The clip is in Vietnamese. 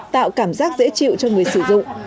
tạo cảm giác dễ chịu cho người sử dụng